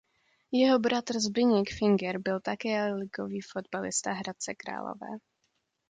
Jeho bratr Zbyněk Finger byl také ligový fotbalista Hradce Králové.